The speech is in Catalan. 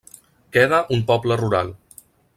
Queda un poble rural.